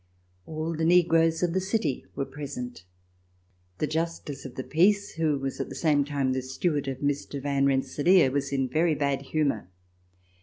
All the negroes of the city were present. The Justice of the Peace, who was at the same time the steward of Mr. Van Rensselaer, was in very bad humor.